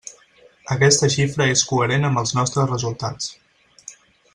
Aquesta xifra és coherent amb els nostres resultats.